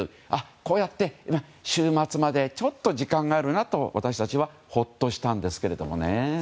こうやって終末までちょっと時間があるなと私たちはほっとしたんですけどね。